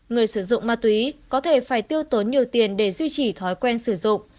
người sử dụng ma túy có thể phải tiêu tốn nhiều tiền để duy trì thói quen sử dụng